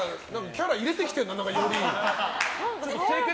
キャラ入れてきてるな、より。